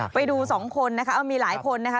ไปดูสองคนนะคะมีหลายคนนะคะ